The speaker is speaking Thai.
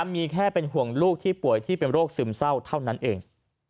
มีแค่เป็นห่วงลูกที่ป่วยที่เป็นโรคซึมเศร้าเท่านั้นเอง